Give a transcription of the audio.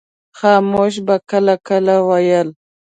خاموش به کله کله ویل.